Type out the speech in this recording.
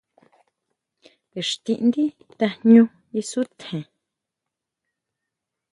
Ixtindi tajñu isutjen.